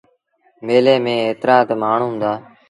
ميلي ميݩ ايترآ تا مآڻهوٚݩ هُݩدآ۔